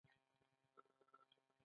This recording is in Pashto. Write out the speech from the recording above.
دوی ته خلکو په درنه سترګه هم کتل.